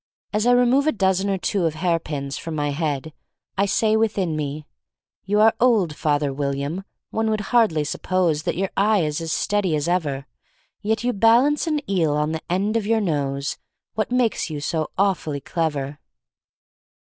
As I remove a dozen or two of hairpins from my head I say within me: You are old, father William, one would hardly suppose That your eye is as steady as ever; Yet you balanced an eel on the end of your nose — What made you so awfully clever?"